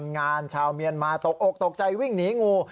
งานชาวเมียนมาตกอกตกใจวิ่งหนีงู